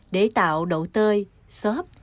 để tạo đậu tơi sớp